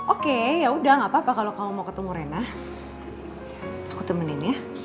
oke yaudah gapapa kalo kamu mau ketemu rena aku temenin ya